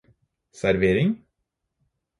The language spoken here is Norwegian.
servering